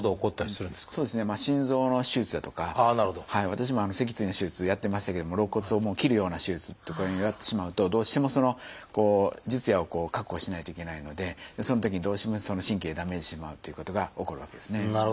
私も脊椎の手術やってましたけれども肋骨を切るような手術とかになってしまうとどうしても術野を確保しないといけないのでそのときにどうしてもその神経をダメージしてしまうっていうことが起こるわけですね。